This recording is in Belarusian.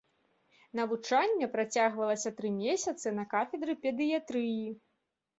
Навучанне працягвалася тры месяцы на кафедры педыятрыі.